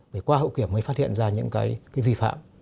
vì qua hậu kiểm mới phát hiện ra những cái vi phạm